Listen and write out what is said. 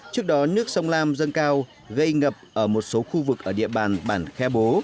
trước đó nước sông lam dâng cao gây ngập ở một số khu vực ở địa bàn bản khe bố